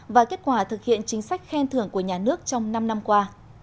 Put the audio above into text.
và kết quả thực hiện chính sách khen thưởng của nhà nước trong năm năm qua